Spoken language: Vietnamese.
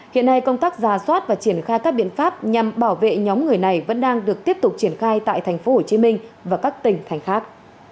hiện nay công tác ra soát và triển khai các biện pháp nhằm bảo vệ nhóm người này vẫn đang được tiếp tục triển khai tại tp hcm và các tỉnh thành khác